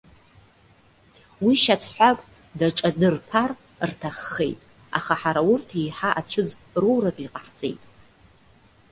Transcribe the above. Уи шьацҳәак даҿадырԥар рҭаххеит, аха ҳара урҭ еиҳа ацәыӡ роуратәы иҟаҳҵеит.